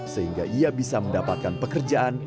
sehingga ia bisa mendapatkan pekerjaan